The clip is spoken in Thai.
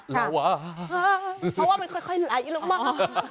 เพราะว่ามันค่อยไหลลงมา